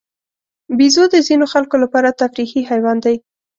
بیزو د ځینو خلکو لپاره تفریحي حیوان دی.